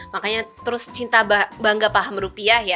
makanya terus cinta bangga paham rupiah ya